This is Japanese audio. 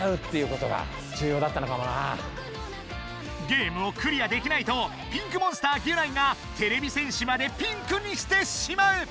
ゲームをクリアできないとピンクモンスターギュナイがてれび戦士までピンクにしてしまう！